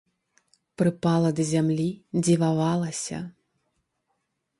Прыпала да зямлі, дзівавалася.